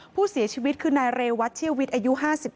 ผู้เสียชีวิตคือนายเรวัตเชี่ยววิทย์อายุ๕๓